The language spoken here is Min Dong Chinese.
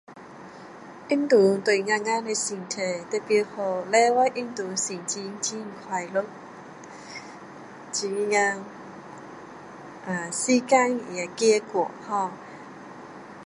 运动对我们的身体特别好。努力运动心情很快乐。非常,时间也易过好。